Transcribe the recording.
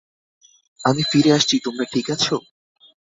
আমি ফিরে আসছি তোমরা ঠিক আছো?